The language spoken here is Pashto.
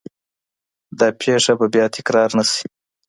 دا پیښه به بیا تکرار نه سي.